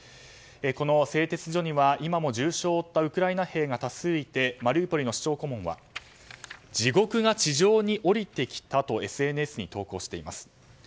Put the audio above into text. この製鉄所には、今も重傷を負ったウクライナ兵が多数いてマリウポリの市長顧問は地獄が地上に降りてきたとＳＮＳに投稿しています。